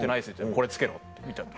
「これ付けろ」みたいな。